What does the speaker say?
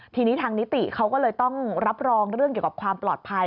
ทีนี้ทางนิติเขาก็เลยต้องรับรองเรื่องเกี่ยวกับความปลอดภัย